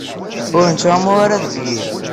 Ur nettɛumu ara deg yiḍ.